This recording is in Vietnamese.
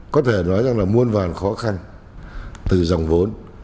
có thể nói rằng là muôn vàn khó khăn từ dòng vốn